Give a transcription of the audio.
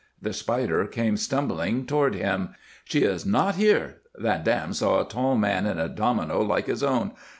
The Spider came stumbling toward him. "She is not here." Van Dam saw a tall man in a domino like his own.